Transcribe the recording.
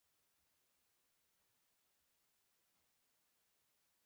هغې د ښایسته خاطرو لپاره د روښانه ستوري سندره ویله.